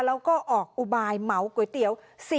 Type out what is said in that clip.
แล้วก็ออกอุบายเหมาก๋วยเตี๋ยว